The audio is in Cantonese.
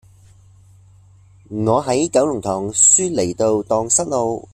我喺九龍塘舒梨道盪失路